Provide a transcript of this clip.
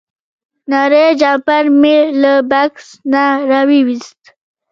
نری جمپر مې له بکس نه راوویست.